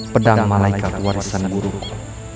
pedang malaikat warisan buruku